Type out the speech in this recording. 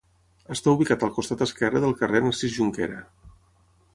Està ubicat al costat esquerre del carrer Narcís Jonquera.